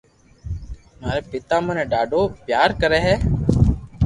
مارو پيتا مني ڌاڌو پيار ڪري ھي